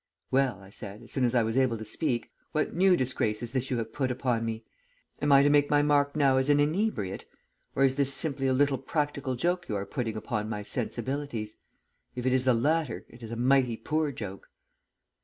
"'Well,' I said as soon as I was able to speak,' what new disgrace is this you have put upon me? Am I to make my mark now as an inebriate, or is this simply a little practical joke you are putting upon my sensibilities? If it is the latter, it is a mighty poor joke.'